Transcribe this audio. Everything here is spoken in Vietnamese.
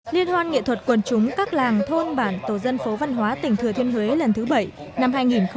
liên hoan nghệ thuật quần chúng các làng thôn bản tổ dân phố văn hóa tỉnh thừa thiên huế lần thứ bảy năm hai nghìn một mươi chín